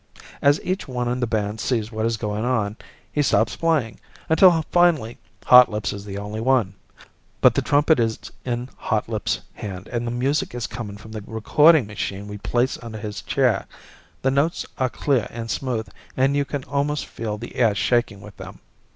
As each one in the band sees what is going on, he stops playing, until finally Hotlips is the only one. But the trumpet is in Hotlips' hand, and the music is coming from the recording machine we place under his chair. The notes are clear and smooth, and you can almost feel the air shaking with them.